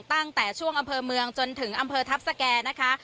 ตั้งแต่ช่วงอำเภอเมืองจนถึงอำเภอทัพสแก่นะคะ